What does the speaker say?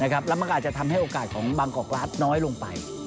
แล้วมันก็อาจจะทำให้โอกาสของบางกอกรัฐน้อยลงไป